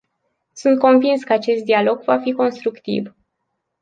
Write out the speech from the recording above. Sunt convins că acest dialog va fi constructiv.